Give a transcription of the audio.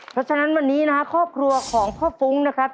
เพราะฉะนั้นวันนี้นะครับครอบครัวของพ่อฟุ้งนะครับ